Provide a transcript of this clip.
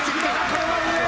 これは上。